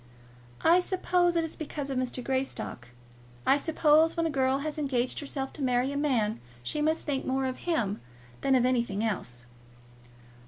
"I suppose it is because of Mr. Greystock. I suppose when a girl has engaged herself to marry a man she must think more of him than of anything else."